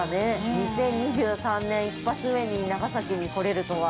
２０２３年１発目に長崎に来れるとは。